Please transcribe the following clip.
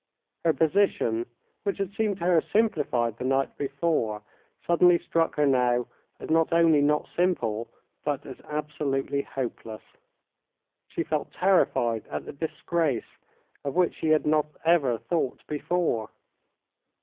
Her position, which had seemed to her simplified the night before, suddenly struck her now as not only not simple, but as absolutely hopeless. She felt terrified at the disgrace, of which she had not ever thought before.